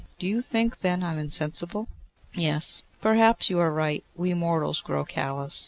'Do you think, then, I am insensible?' 'Yes.' 'Perhaps you are right. We mortals grow callous.